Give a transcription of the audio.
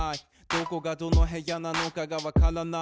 どこがどの部屋なのかがわからない。